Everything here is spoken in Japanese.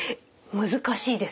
難しいです。